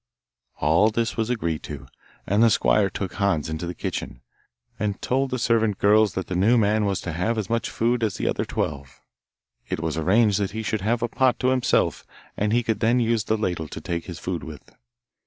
All this was agreed to, and the squire took Hans into the kitchen, and told the servant girls that the new man was to have as much food as the other twelve. It was arranged that he should have a pot to himself, and he could then use the ladle to take his food with.